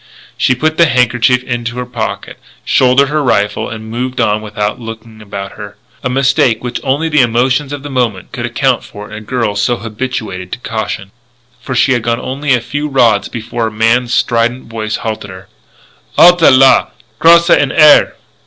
She put the handkerchief into her pocket, shouldered her rifle, moved on without looking about her, a mistake which only the emotion of the moment could account for in a girl so habituated to caution, for she had gone only a few rods before a man's strident voice halted her: "_Halte là! Crosse en air!